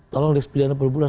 tolong deks pidana perburuhan